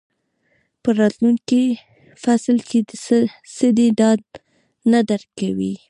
په راتلونکي فصل کې څه دي دا نه درک کوئ.